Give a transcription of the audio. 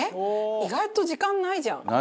意外と時間ないじゃん。